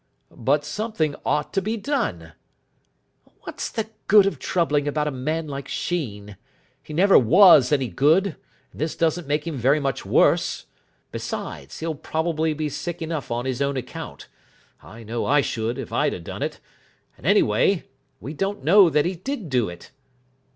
"But something ought to be done." "What's the good of troubling about a man like Sheen? He never was any good, and this doesn't make him very much worse. Besides, he'll probably be sick enough on his own account. I know I should, if I'd done it. And, anyway, we don't know that he did do it."